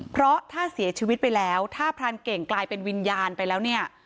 เพราะถ้าเสียชีวิตไปแล้วถ้าพรานเก่งกลายเป็นวิญญาณไปแล้วเนี่ย